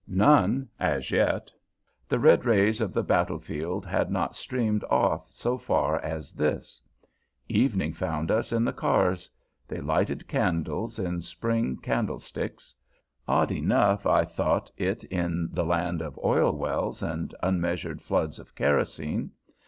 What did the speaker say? None as yet; the red rays of the battle field had not streamed off so far as this. Evening found us in the cars; they lighted candles in spring candle sticks; odd enough I thought it in the land of oil wells and unmeasured floods of kerosene.